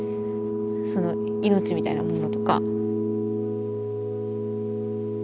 そのいのちみたいなものとか。